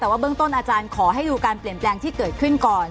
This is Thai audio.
แต่ว่าเบื้องต้นอาจารย์ขอให้ดูการเปลี่ยนแปลงที่เกิดขึ้นก่อน